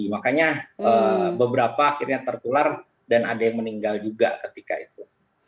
makanya beberapa akhirnya tertular dan ada yang meninggal juga ketika itu